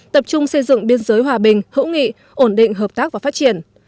tập trung xây dựng biên giới hòa bình hữu nghị ổn định hợp tác và phát triển